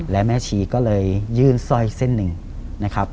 และแม่ชีก็เลยยื่นสร้อยเส้นหนึ่งนะครับ